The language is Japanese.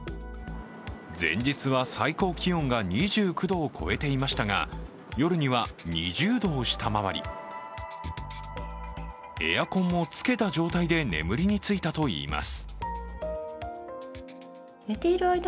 前日は最高気温が２９度を超えていましたが、夜には２０度を下回りエアコンもつけた状態で眠りについたといいます。